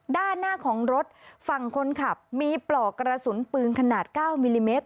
ด้านหน้าของรถฝั่งคนขับมีปลอกกระสุนปืนขนาด๙มิลลิเมตร